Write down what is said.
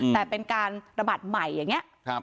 แต่เป็นการระบาดใหม่อย่างนี้